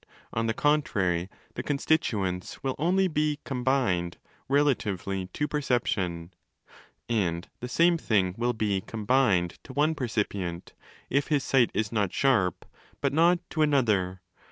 On the contrary, the constituents will only be 'combined' relatively to perception: and the same thing will be 'combined' to one percipient, if his sight is not sharp, (but not to another